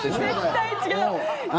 絶対違う！